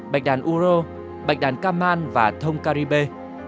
bạch đàn uro bạch đàn cam man và thông caribe